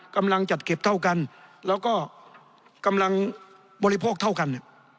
กำลังจัดเก็บเท่ากันแล้วก็กำลังบริโภคเท่ากัน